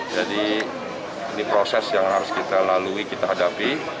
jadi ini proses yang harus kita lalui kita hadapi